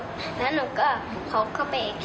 หนูก็พร้อมเข้าไปีกค่ะ